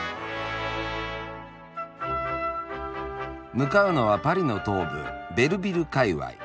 向かうのはパリの東部ベルヴィル界わい。